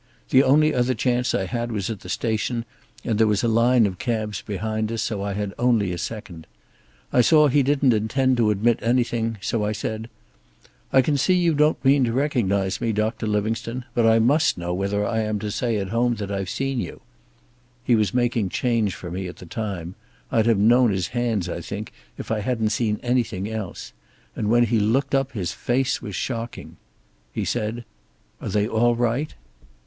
The only other chance I had was at the station, and there was a line of cabs behind us, so I had only a second. I saw he didn't intend to admit anything, so I said: 'I can see you don't mean to recognize me, Doctor Livingstone, but I must know whether I am to say at home that I've seen you.' He was making change for me at the time I'd have known his hands, I think, if I hadn't seen anything else and when he looked up his face was shocking. He said, 'Are they all right?'